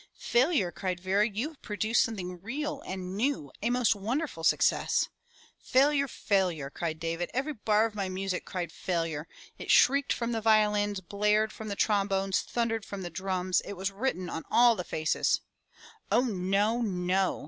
"Failure!" cried Vera. "You have produced something real and new, a most wonderful success." "Failure! Failure!" cried David. *'Every bar of my music cried, 'Failure'. It shrieked from the violins, blared from the trombones, thundered from the drums. It was written on all the faces —" "O no! no!"